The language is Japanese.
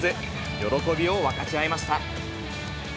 喜びを分かち合いました。